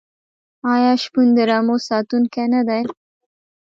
آیا شپون د رمو ساتونکی نه دی؟